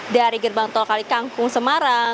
dari gerbang tol kali kangkung semarang